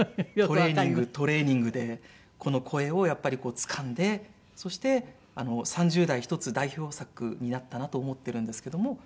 トレーニングトレーニングでこの声をやっぱりつかんでそして３０代１つ代表作になったなと思ってるんですけども。